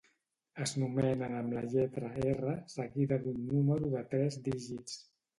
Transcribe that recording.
Es nomenen amb la lletra "R" seguida d'un número de tres dígits.